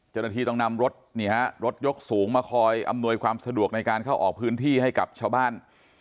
เจ้าหน้าที่ต้องนำรถนี่ฮะรถยกสูงมาคอยอำนวยความสะดวกในการเข้าออกพื้นที่ให้กับชาวบ้าน